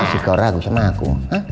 suka ragu sama aku